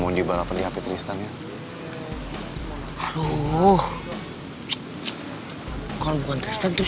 biar kita kita yang tahu